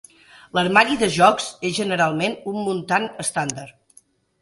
L'armari de jocs és generalment un muntant estàndard.